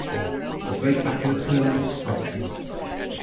The great battle of Cologne was fought.